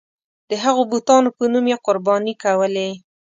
د هغو بتانو په نوم یې قرباني کولې.